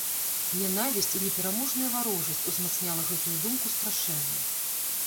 Нянавісць і непераможная варожасць узмацняла гэтую думку страшэнна.